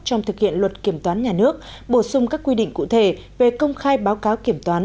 trong thực hiện luật kiểm toán nhà nước bổ sung các quy định cụ thể về công khai báo cáo kiểm toán